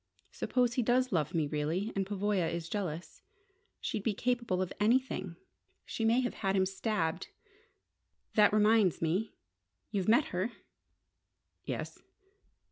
Suppose he does love me really, and Pavoya is jealous? She'd be capable of anything. She may have had him stabbed! That reminds me: you've met her?" "Yes."